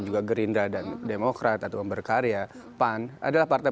juga punya perhitungan ke aman vacancy